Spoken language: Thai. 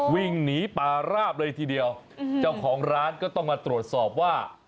วิ่งหนีป่าราบเลยทีเดียวเจ้าของร้านก็ต้องมาตรวจสอบว่า